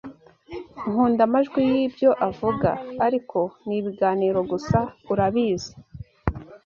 Nkunda amajwi y'ibyo avuga, ariko ni ibiganiro gusa, urabizi.